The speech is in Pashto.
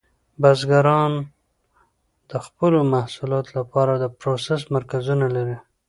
بزګران د خپلو محصولاتو لپاره د پروسس مرکزونه لري.